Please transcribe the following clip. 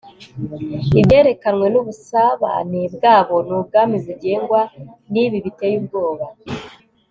ibyerekanwe nubusabane bwabo ni ubwami bugengwa nibi biteye ubwoba